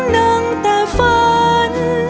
ดังแต่ฝัน